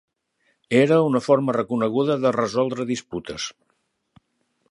Era una forma reconeguda de resoldre disputes.